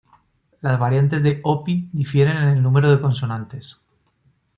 Las variantes de hopi difieren en el número de consonantes.